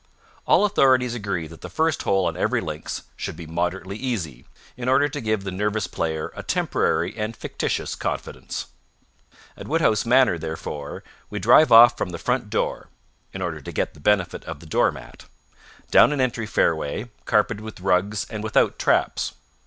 All authorities agree that the first hole on every links should be moderately easy, in order to give the nervous player a temporary and fictitious confidence. At Wodehouse Manor, therefore, we drive off from the front door in order to get the benefit of the door mat down an entry fairway, carpeted with rugs and without traps.